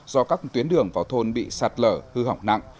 do các tuyến đường vào thôn bị sạt lở hư hỏng nặng